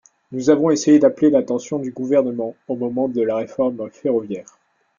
Nous avons essayé d’appeler l’attention du Gouvernement au moment de la réforme ferroviaire.